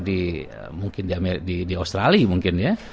di australia mungkin ya